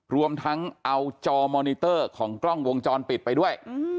รวมทั้งเอาจอมอนิเตอร์ของกล้องวงจรปิดไปด้วย